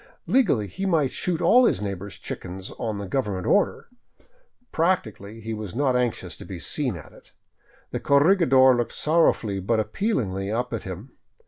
Legally he might shoot all his neighbors' chickens on government order; practically he was not anxious to be seen at it. The corregidor looked sorrowfully but appealingly up at him.